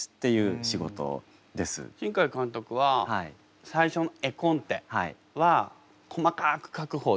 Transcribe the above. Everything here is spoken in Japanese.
新海監督は最初絵コンテは細かく描く方ですか？